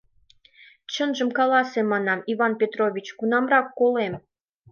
— Чынжым каласе, манам, Иван Петрович: кунамрак колем?